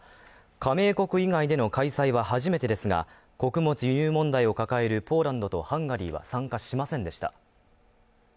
加盟国以外での開催は初めてですが、穀物輸入問題を抱えるポーランドとハンガリーは参加しませんでした。